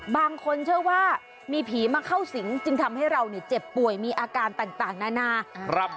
บางคนเชื่อว่ามีผีมาเข้าสิงจึงทำให้เราเนี่ยเจ็บป่วยมีอาการต่างนานา